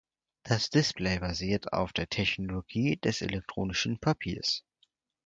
Das Display basiert auf der Technologie des elektronischen Papiers.